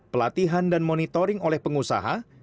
pelatihan dan monitoring oleh pengusaha